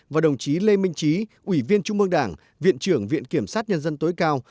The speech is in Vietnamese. và đồng chí lê minh trí ủy viên trung mương đảng viện trưởng viện kiểm sát nhân dân tối cao